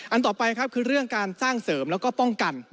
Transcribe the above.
ต่อไปครับคือเรื่องการสร้างเสริมแล้วก็ป้องกัน